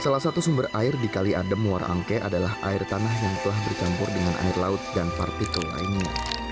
salah satu sumber air di kali adem muara angke adalah air tanah yang telah bercampur dengan air laut dan partikel lainnya